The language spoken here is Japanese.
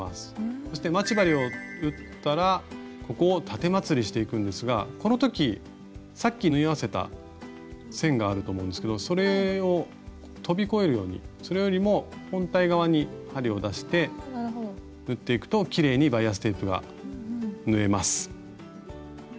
そして待ち針を打ったらここをたてまつりしていくんですがこの時さっき縫い合わせた線があると思うんですけどそれを飛び越えるようにそれよりも本体側に針を出して縫っていくときれいにバイアステープが縫えます。